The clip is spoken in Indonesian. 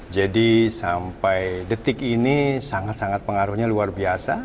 jadi sampai detik ini sangat sangat pengaruhnya luar biasa